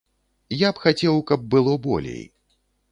Я б хацеў, каб было болей.